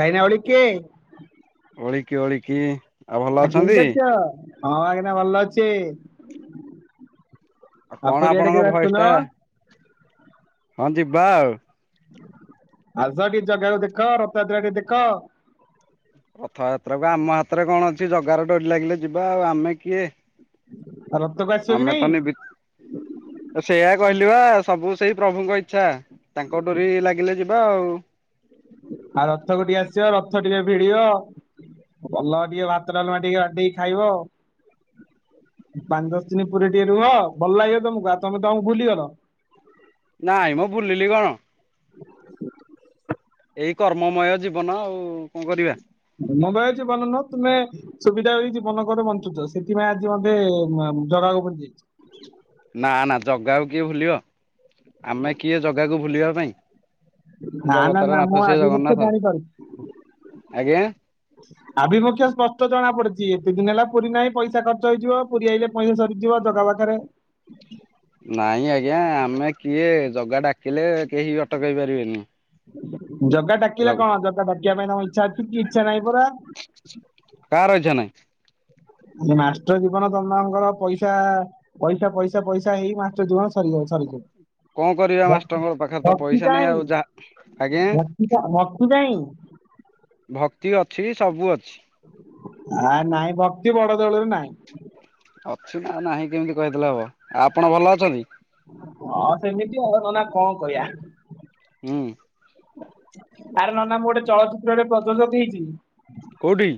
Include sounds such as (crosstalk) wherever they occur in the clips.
ଭାଇନା ଉଳିିକି। ଓଳିକିି ଓଳିକି। ଆଉ ଭଲ ଆ ଅଛନ୍ତି? କେମତି ଅଛ ହଁ ଭଇନା ଭଲ ଅଛି। ଆଉ କଣ ଆପଣଙ୍କ ଭଏସ ଟା ହଁ ଯିବା ଆଉ। ଆସ ଟିକେ ଜାଗାକୁ ଦେଖ ରଥଯାତ୍ରା ଟିକେ ଦେଖ। ରଥଯାତ୍ରା ଆମ ହାତରେ କଣ ଅଛି ଜଗାରେ ଡୋରି ଲାଗିଲେ ଯିବା ଆଉ ଆମେ କିଏ ରଥକୁ ଆସିବ କି ଆମେ ନାଇଁ ନିମିତ ସେଇୟଆା କହିଲି ବା ସବୁ ସେଇ ପ୍ରଭୁଙ୍କ ଇଚ୍ଛା। ତାଙ୍କ ଡୋରି ଲାଗିଲେ ଯିବା ଆଉ। ଆଉ ରଥକୁ ଟିକେ ଆସିବ ରଥ ଟିକେ ଭିଡିବ। ଭଲ ଟିକେ ଭାତ ଡାଲମା ଟିକେ ବାଡେଇ କି ଖାଇବ ଆଉ। ପାଞ୍ଚ ଦଶ ଦିନ ପୁରୀ ରେ ଟିକେ ରୁହ ଭଲ ଲାଗିବ ତମକୁ ଆଉ ତମେ ତମକୁ ଭୁଲିଗଲ। ନାଇଁ ମଁ ଭୁଲିଲି କଣ। ଏଇ କର୍ମମୟ ଜୀବନ ଆଉ କଣ କରିବା। ମୋବାଇଲ ଯିବନ ନୁହଁ ତୁମେ। ସୁବିଧା ହେଇଛି ମନକର ବଞ୍ଚୁଛ ସେଥିପାଇଁ ଆଜି ମତେ ଜଗାକୁ ଭୁଲି ଯାଇଛ। ନା ନା ଜଗାକୁ କିଏ ଭୁଲିବ ଆମେ କିଏ ଜଗାକୁ ଭୁଲିବା ପାଇଁ। ନା ନା ଜଗତର ନା ନାଥ ମୁଁ ସିଏ ଆଭିମୁତେ ଜଗନ୍ନାଥ ଜାଣିପାରୁଛି। ଆଜ୍ଞା। ଆଭିମୁଖ୍ୟ ସ୍ପଷ୍ଟ ଜଣା ପଡିୁଛି ଏତେ ଦିନ ହେଲା ପୁରୀ ନାହିଁ ପଇସା ଖର୍ଚ୍ଚ ହେଇଯିବ। ପୁରୀ ଆଇଲେ ପଇସା ସରିଯିବ ଜଗା ପାଖରେ। (inaudible) ନାଇଁ ଆଜ୍ଞା ଆମେ କିଏ ଜଗା ଡାକିଲେ କେହି ଅଟକାଇ ପାରିବେନି। ଜଗା ଜଗ ଡାକିଲେ କଣ ଜଗା ଡାକିବା ପାଇଁ ତମ ଇଛା ଅଛି କି ଇଛା ନାହିଁ ପରା। କା ର ଇଛା ନାହିଁ। ଆ ମାଷ୍ଟର ଜୀବନ ତମ ମାନଙ୍କର ପଇସା। ପଇସା ପଇସା ପଇସା ହେଇ ମାଷ୍ଟର୍ ଜୀବନ ସରିଗ ସରିଯିବ କଣ କରିବା ଭ- ମାଷ୍ଟରଙ୍କ ପାଖରେ ତ ଭକ୍ତି ପଇସା ନାହିଁ କାଇଁ ଆଉ ଯାହା ଆଜ୍ଞା ଭକ୍ତି କା- ଭକ୍ତି କାଇଁ ଭକ୍ତି ଅଛି ସବୁ ଅଛି ଆ ନାଇଁ ଭକ୍ତି ବଡ ଦେଉଳରେ ନାଇଁ ଅଛି ନା ନାହିଁ କେମିତି କହିଦେଲେ ହବ, ଆଉ ଆପଣ ଭଲ ଅଛନ୍ତି? ହଁ ସେମିତି ଅ, ନନା କଣ କଇବା? ହୁଁ। ଆରେ ନନା ମୁଁ ଗୋଟେ ଚଳଚିତ୍ର ରେ ପ୍ରଯୋଜକ ହେଇଚି। କୋଉଠି?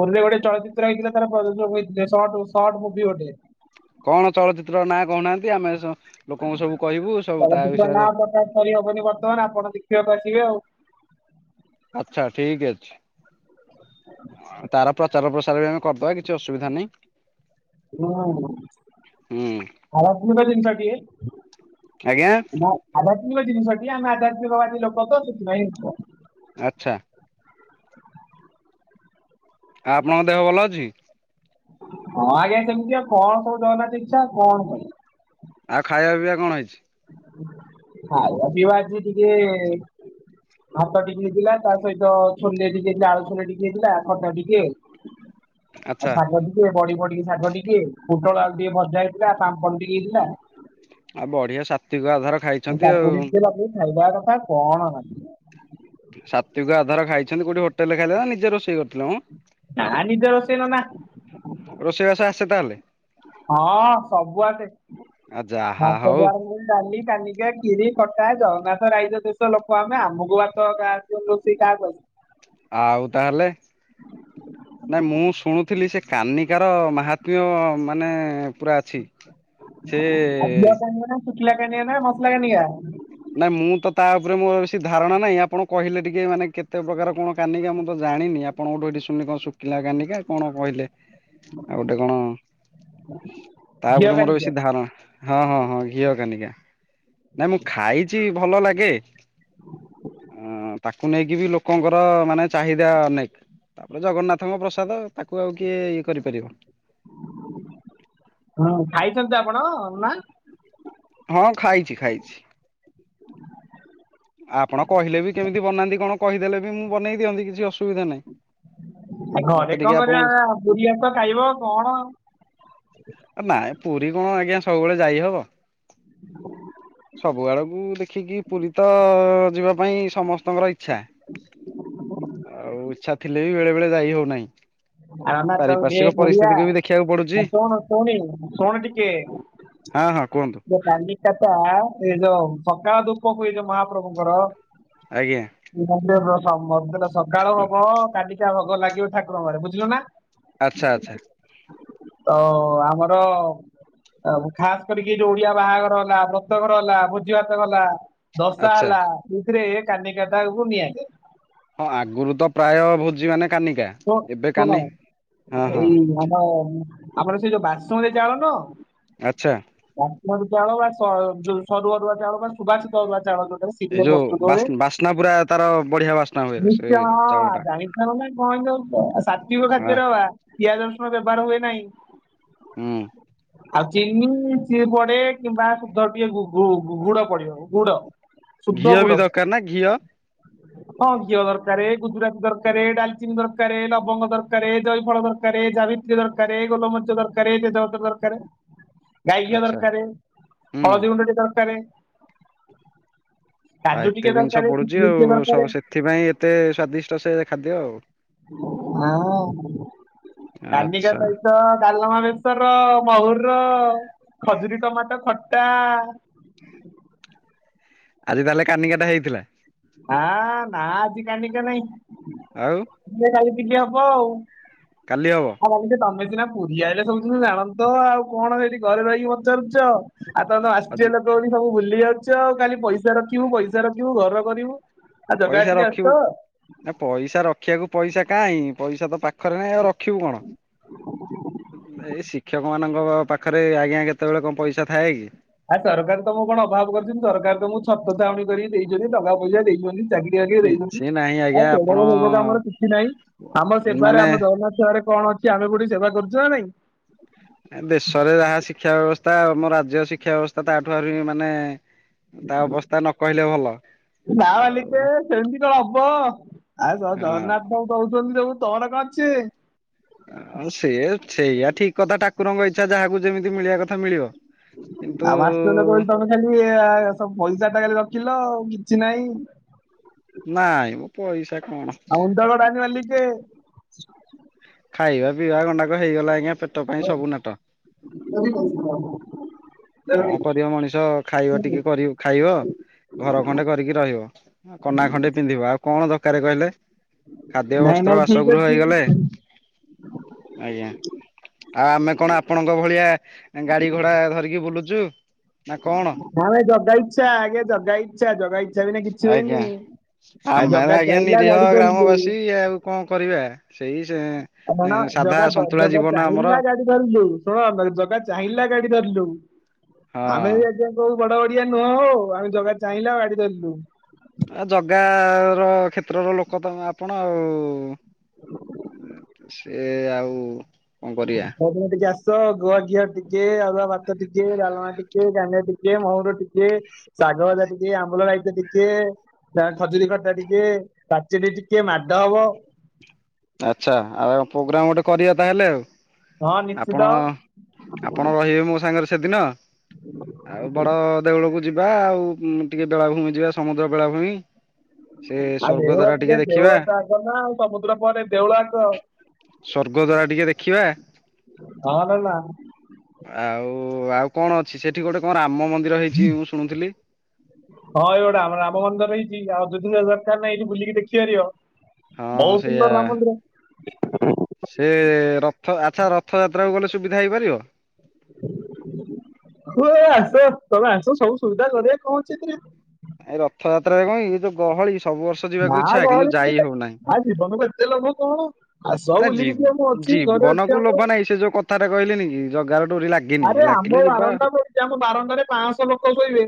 ପୁରୀରେ ଗୋଟେ ଚଳଚିତ୍ର ହେଇଥିଲା ତାର ପ୍ରଯୋଜକ ହେଇଥିଲେ, ଶର୍ଟ ଶର୍ଟ ମୁଭି ଗୋଟେ। କଣ ଚଳଚିତ୍ର ନାଁ କହୁନାହାଁନ୍ତି, ଆମେ ସ-ଲୋକଙ୍କୁ ସବୁ କହିବୁ ସବୁ ତା ବିଷୟରେ। କହି ହବନି ବର୍ତ୍ତମାନ ଆପଣ ଦେଖିବାକୁ ଆସିବେ ଆଉ। ଆଚ୍ଛା ଠିକ ଅଛି। ହଁ ତାର ପ୍ରଚାର ପ୍ରସାର ବି ଆମେ କରିଦବା କିଛି ଅସୁବିଧା ନାହିଁ। ହଁ, ହଁ। ହୁଁ। ଆଧ୍ୟାତ୍ମିକ ଜିନିଷ ଟିଏ। ଆଜ୍ଞା ଭ ଆଧ୍ୟାତ୍ମିକ ଜିନିଷଟି, ଆମେ ଆଧ୍ୟାତ୍ମିକବାଦୀ ଲୋକ ତ ସେଥିପାଇଁ (inaudible) ଆଚ୍ଛା। ଆ, ଆପଣଙ୍କ ଦେହ ଭଲ ଅଛି? ହଁ ଆଜ୍ଞା ସେମିତି ଆଉ, କଣ ସବୁ ଜଗନ୍ନାଥ ଇଚ୍ଛା କଣ କ (inaudible) ଆଉ ଖାଇବା ପିଇବା କଣ ହେଇଛି? ହଁ ଖାଇବା ପିଇବା ଆଜି ଟିକେ ଭାତ ଟିକେ ହେଇଥିଲା ତା ସହିତ ଛଲେ ଟିକେ ଥିଲା, ଆଳୁ ଛଲେ ଟିକେ ହେଇଥିଲା, ଖଟା ଟିକେ। ଆଉ ଆଚ୍ଛା ଶାଗ ଟିକେ, ବଡି ପଡିକି ଶାଗ ଟିକେ, ପୋଟଳ ଆଳୁ ଟିକେ ଭଜା ହେଇଥିଲା। ପାମ୍ପଡ ଟିକେ ହେଇଥିଲା। ଆଉ ବଢିଆ ସାତ୍ତ୍ୱିକ ଆଧାର। ଆଉ କାକୁଡି ଟିକେ ଲଗେଇକି ଖାଇଦେବା କଥା କଣ (inaudible) ସାତ୍ତ୍ୱିକ ଆଧାର ଖାଇଛନ୍ତି କୋଉଠି ହୋଟେଲ୍ ରେ ଖାଇଲେ ନା ନିଜେ ରୋଷେଇ କରିଥିଲେ ମୋ? ନା ନିଜ ରୋଷେଇ ନନା। ରୋଷେଇବାସ ଆସେ ତାହେଲେ? ହଁ ସବୁ ଆସେ, ଆ ଯାହା ଭାତ ହଉ ଠୁ ଆରମ୍ଭ କରିକି ଡାଲି, କାନିକା, ଖିରି, ଖଟା ଜଗନ୍ନାଥ ରାଇଜ ଦେଶ ଲୋକ ଆମେ, ଆମକୁ ଭାତ ଏକା ଆସିବନି, ରୋଷେଇ କାହାକୁ ଆସିବ। ଆଉ ତାହେଲେ। ନାଇଁ ମୁଁ ଶୁଣୁଥିଲି ସେ କାନିକାର ମହାତ୍ମ୍ୟ ମାନେ ପୁରା ଅଛି। ସେ ଆ, ଘିଅ କାନିକ ନା, ଶୁଖିଲା କାନିକା ନା, ମସଲା କାନିକା? ନାଇଁ ମୁଁ ତ ତା ଉପରେ ମୋର ବେଶି ଧାରଣା ନାହିଁ, ଆପଣ କହିଲେ ଟିକେ ମାନେ କେତେ ପ୍ରକାର କଣ କାନିିକା? ମୁଁ ତ ଜାଣିନି, ଆ ଆପଣଙ୍କ ଠୁ ଏଇଠି ଶୁଣିଲି କଣ ଶୁକିଲା କାନିକା କଣ କହିଲେ? ଆଉ ଗୋଟେ କଣ, ତା ଘିଅ ଉପରେ ମୋର କାନିକା ବେଶୀ ଧାରଣା ହଁ, ହଁ, ହଁ ଘିଅ କାନିକା, ନାଇଁ ମୁଁ ଖାଇଚି ଭଲ ଲାଗେ। ହଁ ତାକୁ ନେଇକି ବି ଲୋକଙ୍କର ମାନେ ଚାହିଦା ଅନେକ। ତାପରେ ଜଗନ୍ନାଥଙ୍କ ପ୍ରସାଦ ତାକୁ ଆଉ କିଏ ଇଏ କରିପାରିବ। ହଁ ଖାଇଛନ୍ତି ତ ଆପଣ ନା? ହଁ ଖାଇଛି ଖାଇଛି। ଆପଣ କହିଲେ ବି କେମିତି ବନାନ୍ତି କଣ କହିଦେଲେ ବି ମୁଁ ବନେଇ ଦିଅନ୍ତି କିଛି ଅସୁବିଧା ନାହିଁ? ଏ ମତେ ଘରେ ଟିକେ କଣ କରିବ? ଆପଣଙ୍କୁ ଆସ ଆସ ପୁରୀ ଆସ ଖାଇବ କଣ ଆଉ। ଅ, ନାଇ ପୁରୀ କଣ ଆଜ୍ଞା ସବୁବେଳେ ଯାଇ ହବ? ସବୁ ଆଡକୁ ଦେଖିକି ପୁରୀ ତ ଯିବା ପାଇଁ ସମସ୍ତଙ୍କର ଇଚ୍ଛା। ଆଉ ଇଚ୍ଛା ଥିଲେ ବି ବେଳେ ବେଳେ ଯାଇ ହଉନାହିଁ। ଆ ନା ତ ଟେ ପାରିପାର୍ଶ୍ଵିକ ପଡିଆ ପରିସ୍ଥିତିକୁ ବି ଦେଖିବାକୁ ପଡୁଛି ଶୁଣୁ ଶୁଣି ଶୁଣୁ ଟିକେ। ହଁ ହଁ କୁହନ୍ତୁ। କାଲି କଥା ଏଇ ଯୋଉ ସକାଳ ଧୁଃପ ହୁଏ ଯୋଉ ମହାପ୍ରଭୁଙ୍କର ଆଜ୍ଞା। (unintelligible) ସକାଳ ହୋବ କାନିକ ଭୋଗ ଲାଗିବ ଠାକୁରଙ୍କ ଘରେ ବୁଝିଲ ନା। ଆଚ୍ଛା ଆଚ୍ଛା। ତ ଆମର ଆଉ ଖାସ କରିକି ଯୋଉ ଓଡିଆ ବାହାଘର ହେଲା ବ୍ରତଘର ହେଲା ଭୋଜିଭାତ ଗଲା ଦଶା ଆଚ୍ଛା ହେଲା ସେଇଥିରେ କାନିକାଟାକୁ ନିଆଯାଏ। ହଁ ଆଗରୁ ତ ପ୍ରାୟ ଭୋଜି ମାନେ କାନିକା। ତ ଏବେ ଶୁଣ କାନି ହଁ ଏଇ ହଁ ଆମ ଆମର ସେଇ ବାସୁମତି ଚାଉଳ ନୁହଁ ଆଚ୍ଛା। ବାସୁମତି ଚାଉଳ ବା ସ ଯଅ ସରୁ ଅରୁଆ ଚାଉଳ ବା ସୁବାସିତ ଅରୁଆ ଚାଉଳ ଯୋଉଟା (unintelligible) ଏଇ ସେଥିରେ ଯୋଉ ପ୍ରସ୍ତୁତ ହୁଏ ବାସ୍ନା ପୁରା ତାର ବଢିଆ ବାସ୍ନା ହୁଏ ନି (unintelligible) (unintelligible) ସେ ଚାଉଳ ଟା ସ୍ଵାତ୍ବିକ ହଁ। ଖାଦ୍ୟରେ ବାବା ପିଆଜ ରସୁଣ ବ୍ୟବହାର ହୁଏ ନାହିଁ। ହୁଁ। ଆଉ ଚିନି ସିଏ ପଡେ କିମ୍ବା ଶୁଦ୍ଧ ଟିକେ ଗୁ ଗୁ ଗୁଡ଼ ପଡିବ ଗୁଡ। ଶୁଦ୍ଧ ଘିଅ ବି ଗୁଡ। ଦରକାର ନା ଘିଅ ହଁ ଘିଅ ଦରକାରେ ଗୁଜୁରାତି ଦରକାରେ ଡାଲି ଚିନି ଦରକାରେ ଲବଙ୍ଗ ଦରକାରେ ଜଇ ଫଳ ଦରକାରେ ଜାବିତ୍ରି ଦରକାରେ ଗୋଲମରିଚ ଦରକାରେ ତେଜପତ୍ର ଦରକାରେ (inaudible) ଗାଈ ଘିଅ ଦରକାରେ ହଳଦୀ ଗୁଣ୍ଡଟି ଦରକାରେ ଆଉ ଏତେ ଟିକେ ଜିନିଷ ଦରକାର ପଡୁଚି କିସମିସ ଟିକେ ଆଉ ଦରକାର ସବୁ ସେଥିପାଇଁ ଏତେ ସ୍ଵାଦିଷ୍ଟ ସେ ଖାଦ୍ୟ ଆଉ। ହୁଁ କାନିକା ଆଚ୍ଛା ପାଇଁ ଭାତ ଡାଲମା ବେଶର ମହୁର ର ଖଜୁରୀ ଟମାଟୋ ଖଟା। ଆଜି ତାହେଲେ କାନିକାଟା ହେଇଥିଲା। ଆ ନା ଆଜି କାଲିକା ନାହିଁ। ଆଉ (unintelligible) ଆଉ କାଲି ହେବ? ଆଉ ମାଳିକେ ତମେ ସିନା ପୁରୀ ଆଇଲେ ହେଲେ ସବୁୁ ଥିରୁ ଜାଣନ୍ତ ଆଉ କଣ ସେଇଠି ଘରେ ରହିକି ପଚାରୁଚ। ଆଉ ତମେ ଆଜି ଆଷ୍ଟ୍ରୀୟ ଲୋକ ବୋଲି ସବୁ ଭୁଲି ଯାଉଛ ଆଉ କାଲି ପଇସା ରଖିବୁ ପଇସା ରଖିବୁ ଘର କରିବୁ। ଆଉ ଜଗା ପଇସା ଟିକେ ଆସ ରଖିବୁ ନା ପଇସା ରଖିବାକୁ ପଇସା କାଇଁ ପଇସା ତ ପାଖ ପାଖରେ ନାହିଁ ରଖିବୁ କଣ ଏଇ ଶିକ୍ଷକ ମାନଙ୍କ ପାଖ ଖରେ ଆ‌ଙ୍ଗା କେତୋବେଳେ କଣ ପଇସା ଥାଏ କି? ଆ ସରକାର ତ ମୁଁ କଣ ଅଭାବ କରିଚନ୍ତି ସରକାର ତମକୁ ଛତ୍ର ଛାଉଣୀ କରି ଦେଇଚନ୍ତି ଟଙ୍କା ପଇସା ଦେଇଚନ୍ତି। ଚାକରି ବାକିରି ଦେଇଚନ୍ତି। କିଛି ନାହିଁ ଆଉ ଆଜ୍ଞା ଆପଣ କେବଳ ହେଗକ ଆମର କିଛି ନାହିଁ ଆମ ସେବାରେ ମାନେ ଆମ ଜଗନ୍ନାଥ ସେବାରେ କଣ ଅଛି। କି ଆମେ କୋଉଠି ସେବା କରୁଛୁ ନା ନାଇଁ? ଦେଶରେ ଯାହା ଶିକ୍ଷା ବ୍ୟବସ୍ଥା ଆମ ରାଜ୍ୟ ଶିକ୍ଷା ବ୍ୟବସ୍ଥା ତାଠୁ ଆହୁରି ମାନେ ତା ଅବସ୍ଥା ନ କହିଲେ ଭଲ। ନାମାଲିକେ ଆଉ ସେମିତି କଣ ହବ ଆ ତ ଜଗନ୍ନାଥ ସବୁ କହୁଚନ୍ତି ସବୁ ତମର କଣ ଅଛି? ଆଉ ସେ ସେଇଆ ଠିକ କଥା ଠାକୁରଙ୍କ ଇଚ୍ଛା ଯାହାକୁ ଯେମିତି ମିଳିବା କଥା ମିଳିବ (unintelligible) କିନ୍ତୁ ଖାଲି ସବୁ ପଇସା ଟା ଖାଲି ରଖିଲ କିଛି ନାହିଁ। ନାଇଁ ମ ପଇସା କଣ (unintelligible) ମାଲିକେ ଖାଇବା ପିଇବା ଗଣ୍ଡାକ ହେଇଗଲା ଆଜ୍ଞା ପେଟ ପାଇଁ ସବୁ ନାଟ। (unintelligible) କଣ କରିବ ମଣିଷ ଖାଇବା ଟିକେ କରିବ ଖାଇବ ଘର ଖଣ୍ଡେ କରିକି ରହିବ। କନା ଖଣ୍ଡେ ପିନ୍ଧିବ ଆଉ କଣ ଦରକାର କହିଲେ ଖାଦ୍ୟ ନାଇଁ ନାଇଁ ବସ୍ତ୍ର ଠିକ ବାସଗୃହ ଅଛି ହେଇଗଲେ। (unintelligible) ଆଜ୍ଞା ଆଉ ଆମେ କଣ ଆପଣଙ୍କ ଭଳିଆ ଗାଡି ଘୋଡା ଧରିକି ବୁଲୁ ଜୁ ଆମେ ଜଗା ଇଚ୍ଛା ଆଜ୍ଞା ଜଗା ଇଚ୍ଛା ଜଗା ଇଚ୍ଛା ବିନା କିଛି ଆଜ୍ଞା। ହୁଏନି ଆଉ ଆମେ ଜଗା ଆଜ୍ଞା ଚାହିଁଲା ନିରୀହ ଗାଡି ଧରିଲୁ ଗ୍ରାମବାସୀ ଆଉ କଣ କରିବା। ସେଇ ସେ ଆଉ ସାଧା ସନ୍ତୁଳା ଜୀବନ ଆମର ଗା ଧରିଲୁ ଶୁଣ ଜାଗା ଚାହିଁଲା ଗାଡି ଧରିଲୁ ହଁ ଆମେ ବି ଆଜ୍ଞା କୋଉ ବଡ ବଡିିଆ ନୁହଁ ହ ଆମେ ଜଗା ଚାହିଁଲା ଗାଡି ଧରିଲୁ ଆଉ ଜଗା ର କ୍ଷେତ୍ରର ଲୋକ ତମେ ଆପଣ ଆଉ ସେ ଆଉ କଣ କରିବା ଟିକେ ଆସ ଗୁଆ ଘିଅ ଟିକେ ଅରୁଆ ଭାତ ଟିକେ ଡାଲମା ଟିକେ କାନିଆ ଟିକେ ମହୁର ଟିକେ ଶାଗ ଭଜା ଟିକେ ଆମ୍ବୁଲ ରାଇତା ଟିକେ ଖଜୁରୀ ଖଟା ଟିକେ ପାଚେଡି ଟିକେ ମାଡ ହବ ଆଚ୍ଛା ଆଉ ପ୍ରୋଗ୍ରାମ ଗୋଟେ କରିବା ତାହେଲେ ଆଉ ହଁ ନିଶ୍ଚିତ ଆପଣ ଆପଣ ରହିବେ ମୋ ସାଙ୍ଗରେ ସେଦିନ ଆଉ ବଡ ଦେଉଳକୁ ଯିବା ଆଉ ଟିକେ ବେଳାଭୂମି ଯିବା ସମୁଦ୍ର ବେଳାଭୂମି ସେ ଆଉ ସ୍ଵର୍ଗ ଦେଉଳ ଦାରା ଟିକେ ଦେଉଳ ଦେଖିବା। ତ ଆଗ ନା ଆଉ ସମୁଦ୍ର ପରେ ଦେଉଳ ଆସ ସ୍ୱର୍ଗଦ୍ୱାର ଟିକେ ଦେଖିବା। ହଁ ନା ନା ଆଉ ଆଉ କଣ ଅଛି ସେଠି ଗୋଟେ କଣ ରାମ ମନ୍ଦିର ହେଇଛି ମୁଁ ଶୁଣୁଥିଲି ହଁ ଏଇଗୁଟା ଆମ ରାମ ମନ୍ଦିର ହେଇଛି ଆଉ ଯଦି ଦରକାର ନାହି ଏଇଠି ବୁଲିକି ଦେଖିପାରିବ ହଁ ବହୁତ ସେଇଆ। ସୁନ୍ଦର ରାମ ମନ୍ଦିର ସେ ରଥ ଆଚ୍ଛା ରଥଯାତ୍ରାକୁ ଗଲେ ସୁବିଧା ହେଇପାରିବ। ହୁ ଆସ ତମେ ଆସ ସବୁ ସୁବିଧା କରିବା କଣ ଅଛି ଏଥିରେ ଏ ରଥଯାତ୍ରାରେ କଣକି ଏଇ ଯୋ ଗହଳି ସବୁ ବର୍ଷ ନା ଯିବାକୁ ଇଚ୍ଛା କିନ୍ତୁ ଗହଳି ଯାଇ ହଉନାହିଁ। ନା ଜୀବନକୁ ଏତେ ଲୋଭ କଣ। ଆସ ନା ଜୀ ବୁଲିକି ଯିବ ମୁଁ ଅଛି ଘରେ ଅଛି ଜୀବନକୁ ଆମ ଲୋଭ ନାହିଁ ସେ ଯୋଉ କଥାଟା କହିଲେନି କି ଜଗା ଆରେ ଆମ ବାରଣ୍ଡା ପଡ଼ିଛି ଆମ ବାରଣ୍ଡାରେ ପାଞ୍ଚଶହ ଲୋକ ଶୋଇବେ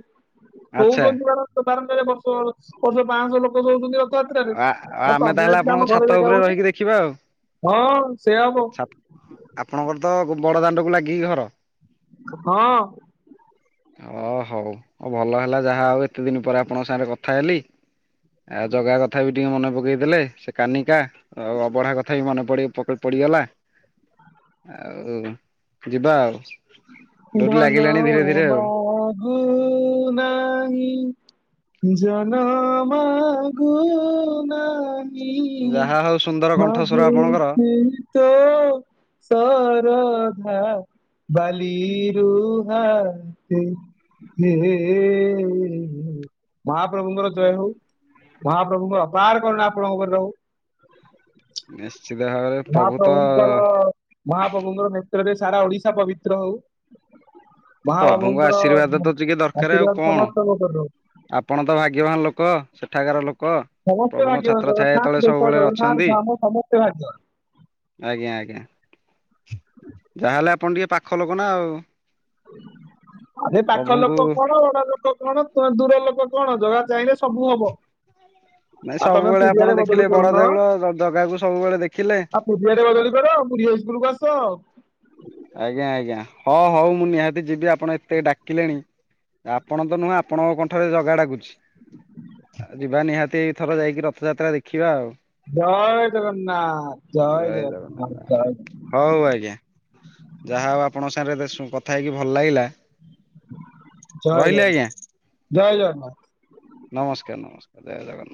ଆଚ୍ଛା ଶୋଉଛନ୍ତି ପରା କ ବାରଣ୍ଡା ରେ ବର୍ଷ ବର୍ଷ ପାଞ୍ଚଁଶହ ଲୋକ ଶୋଉଛନ୍ତି ଆଉ ରଥଯାତ୍ରାରେ ଆ ହଁ ଆମେ ତମେ ତାହେଲେ ଆସିଲି ଆପଣଙ୍କ ଆମ ଛାତ ଘରେ ଜାଗା ଉପରେ ହଉନି ରହିକି ଦେଖିବା ଆଉ। ହଁ ସେ ହବ ଛା ଆପଣଙ୍କର ତ ବଡ଼ ଦାଣ୍ଡକୁ ଲାଗିକି ଘର। ହଁ (unintelligible) ଓ ହଉ ଭଲ ହେଲା ଯାହା ହଉ ଏତେ ଦିନ ପରେ ଆପଣଙ୍କ ସାଙ୍ଗରେ କଥା ହେଲି। ଆଉ ଜଗା କଥା ବି ଟିକେ ମନେ ପକେଇଥିଲେ ସେ କାନିକା ଆଉ ଅବଢା କଥା ବି ମନେ ପଡ ପଡିଗଲା। ଆଉ ଯିବା ଆଉ। ଡୋରି ଭଲ ଲାଗିଲାଣି ଧୀରେ ଧୀରେ ଆଉ। ବଘ ନାହିଁ। ଜନ ମାଗୁ ନା ହି ଯାହା ହଉ ସୁନ୍ଦର କଣ୍ଠସ୍ୱର ଆପଣଙ୍କର। ଭାବୁଛି ତୋ ସରଧା ବାଲି ରୁ ହାସି। ହେ ମହାପ୍ରଭୁଙ୍କର ଜୟ ହଉ। ମହାପ୍ରଭୁଙ୍କର ଅପାର କରୁଣା ଆପଣଙ୍କ ଉପରେ ରହୁ। ନିଶ୍ଚିତ ଭାବରେ ପ୍ରଭୁ ତ ମହାପ୍ରଭୁଙ୍କର ମହାପ୍ରଭୁଙ୍କର ନେତ୍ରରେ ସାରା ଓଡିଶା ପବିତ୍ର ହଉ। ମହା ପ୍ରଭୁଙ୍କ ପ୍ରଭୁଙ୍କର ଆଶୀର୍ବାଦ ତ ଟିକେ ଦରକାର ଆଉ ଆଶୀର୍ବାଦ କଣ। ସମସ୍ତଙ୍କ ଉପରେ ରହୁ। ଆପଣ ତ ଭାଗ୍ୟବାନ ଲୋକ ସେଠାକାର ଲୋକ। ସମସ୍ତେ ପ୍ରଭୁଙ୍କ ଭାଗ୍ୟବାନ ଛାତ୍ର ଲୋକ ଛାୟା ତଳେ ଥାନ୍ତୁ ଦେଶ ସବୁବେଳେ ଜଗନ୍ନାଥ ଅଛନ୍ତି ଧାମ ସମସ୍ତେ ଭାଗ୍ୟବାନ। ଆଜ୍ଞା ଆଜ୍ଞା। ଯାହାହେଲେ ଆପଣ ଟିକେ ପାଖ ଲୋକ ନା ଆଉ। ଆରେ ପାଖ ପ୍ରଭୁଙ୍କୁ ଲୋକ କଣ ଓଡା ଲୋକ କଣ ଦୂର ଲୋକ କଣ ଜଗା ଚାହିଁଲେ ସବୁ ହବ? (unintelligible) ନାଇଁ ଆଉ ତମେ ସବୁବେଳେ ପୁରିଆରେ ଆପଣ ବଦଳି ଦେଖିଲେ ବଡ କରୁନ ଦେଉଳ ଆଉ ଜଗାକୁ ସବୁବେଳେ ଦେଖିଲେ ଆ ଭୂବସ। ଆଜ୍ଞା ଆଜ୍ଞା ହଁ ହଉ ମୁଁ ନିହାତି ଯିବି ଆପଣ ଏତେ ଡାକିଲେଣି। ଆପଣ ତ ନୁହେଁ ଆପଣଙ୍କ କଣ୍ଠରେ ଜଗା ଡାକୁଛି। ଯିବା ନିହାତି ଏଥର ଯାଇକି ରଥଯାତ୍ରା ଦେଖିବା ଆଉ। ଜୟ ଜଗନ୍ନାଥ ଜୟ ଜଗନ୍ନାଥ ଜୟ ଜଗ। ହଉ ଆଜ୍ଞା ଯାହା ହଉ ଆପଣଙ୍କ ସାଙ୍ଗରେ କଥା ହେଇକି ଭଲ ଲାଗିଲା। ରହିଲି ଜଗନ୍ନାଥ ଆଜ୍ଞା। ଜୟ ଜଗନ୍ନାଥ। ନମସ୍କାର ନମସ୍କାର ଜୟ ଜଗନ୍ନ